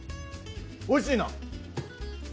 おいしいな！